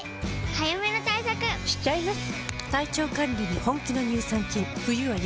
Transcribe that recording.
早めの対策しちゃいます。